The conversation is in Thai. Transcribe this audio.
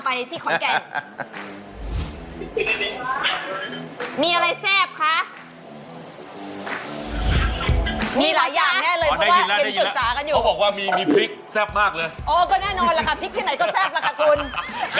ไปต่อยอดสร้างอาชีพเลย